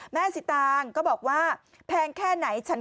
สิตางก็บอกว่าแพงแค่ไหน